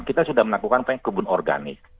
kita sudah melakukan kebun organik